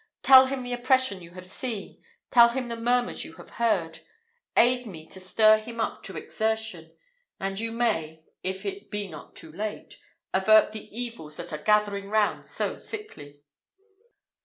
Tell him the oppression you have seen, tell him the murmurs you have heard; aid me to stir him up to exertion, and you may, if it be not too late, avert the evils that are gathering round so thickly!"